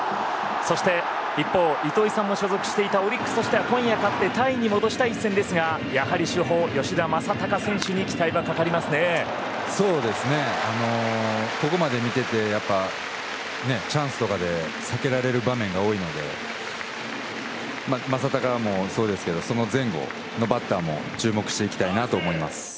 そして、一方糸井さんも所属していたオリックスとしては今夜勝ってタイに戻したい一戦ですがやはり主砲、吉田正尚選手にここまで見ていてチャンスとかで避けられる場面が多いので正尚もそうですけどその前後のバッターも注目していきたいと思います。